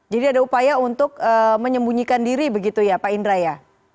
jadi ada upaya untuk menyembunyikan diri begitu ya pak indra ya